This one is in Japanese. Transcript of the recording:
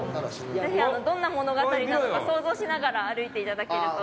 ぜひどんな物語なのか想像しながら歩いて頂けると。